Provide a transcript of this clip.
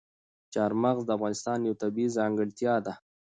چار مغز د افغانستان یوه طبیعي ځانګړتیا ده.